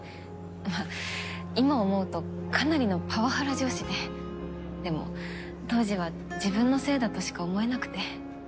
まあ今思うとかなりのパワハラ上司ででも当時は自分のせいだとしか思えなくて。